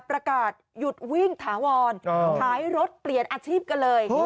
ประกาศหยุดวิ่งถาวรขายรถเปลี่ยนอาชีพกันเลย